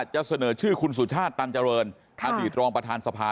จะเสนอชื่อคุณสุชาติตันเจริญอดีตรองประธานสภา